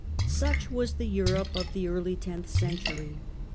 Such was the Europe of the early tenth century.